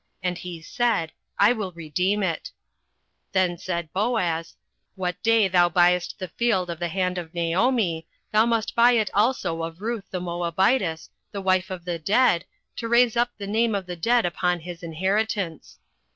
And he said, I will redeem it. 08:004:005 Then said Boaz, What day thou buyest the field of the hand of Naomi, thou must buy it also of Ruth the Moabitess, the wife of the dead, to raise up the name of the dead upon his inheritance.